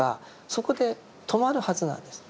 そこで止まるはずなんです。